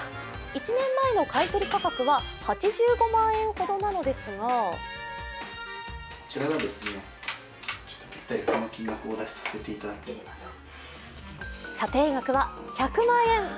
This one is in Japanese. １年前の買い取り価格は８５万円ほどなのですが査定額は１００万円。